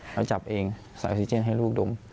เขาจับเองใส่ออกซิเจนให้ลูกดม